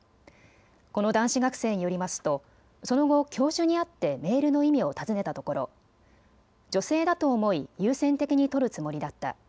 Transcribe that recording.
この男子学生によりますとその後、教授に会ってメールの意味を尋ねたところ女性だと思い優先的に採るつもりだった。